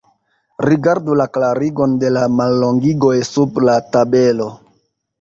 Rigardu la klarigon de la mallongigoj sub la tabelo.